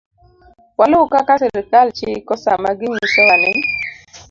Waluw kaka sirkal chiko sama ginyisowa ni